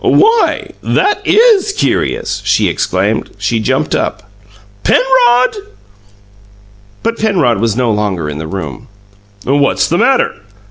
"Why, that IS curious!" she exclaimed. She jumped up. "Penrod!" But Penrod was no longer in the room. "What's the matter?"